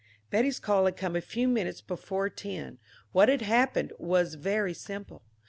Betty's call had come a few minutes before ten. What had happened was very simple.